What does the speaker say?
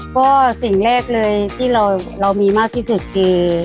ก็สิ่งแรกเลยที่เรามีมากที่สุดคือ